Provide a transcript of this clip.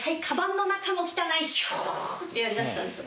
シューってやり出したんですよ。